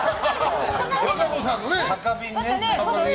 和歌子さんのね。